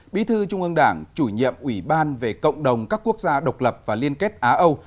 bí thư trung ương đảng chủ nhiệm ủy ban về cộng đồng các quốc gia độc lập và liên kết á âu